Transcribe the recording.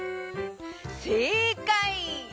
せいかい！